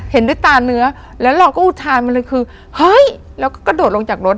เห็นหรอ